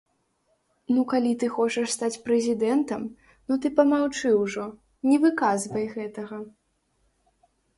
Ну калі ты хочаш стаць прэзідэнтам, ну ты памаўчы ўжо, не выказвай гэтага.